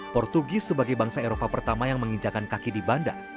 portugis sebagai bangsa eropa pertama yang menginjakan kaki di banda